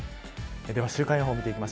では週間予報です。